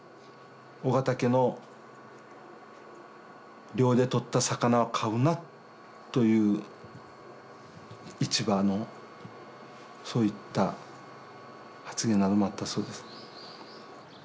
「緒方家の漁でとった魚を買うな」という市場のそういった発言などもあったそうです。